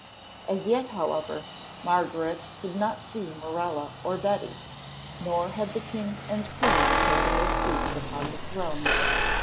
As yet, however, Margaret could not see Morella or Betty, nor had the king and queen taken their seats upon the throne.